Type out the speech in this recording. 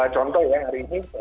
contoh ya hari ini